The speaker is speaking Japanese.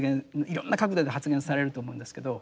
いろんな角度で発言されると思うんですけど。